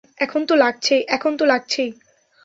এখন তো লাগছেই।